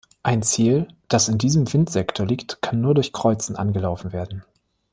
Ein Ziel, das in diesem Wind-Sektor liegt, kann nur durch Kreuzen angelaufen werden.